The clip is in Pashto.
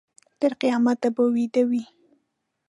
تر قیامته به ویده وي.